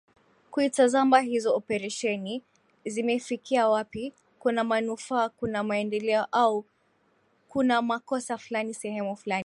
kuitazama hizo operesheni zimefikia wapi kuna manufaa kuna maendeleo au kunamakosa fulani sehemu fulani